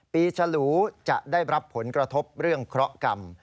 ฉลูจะได้รับผลกระทบเรื่องเคราะหกรรม